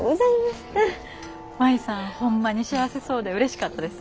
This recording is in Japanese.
舞さんホンマに幸せそうでうれしかったです。